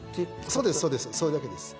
そうですそれだけです。